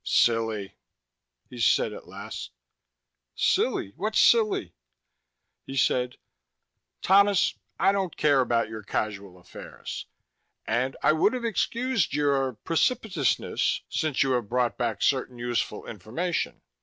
"Silly," he said at last. "Silly? What's silly!" He said, "Thomas, I don't care about your casual affairs. And I would have excused your precipitousness since you have brought back certain useful information.